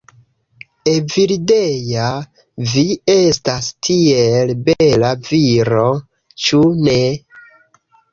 "Evildea, vi estas tiel bela viro, ĉu ne?